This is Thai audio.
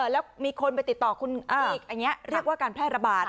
แล้วมีคนไปติดต่อคุณอีกอันนี้เรียกว่าการแพร่ระบาด